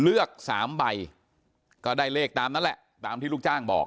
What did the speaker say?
เลือก๓ใบก็ได้เลขตามนั้นแหละตามที่ลูกจ้างบอก